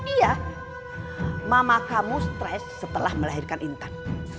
iya mama kamu stres setelah melahirkan intan